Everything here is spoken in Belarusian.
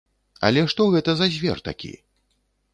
Але што гэта за звер такі?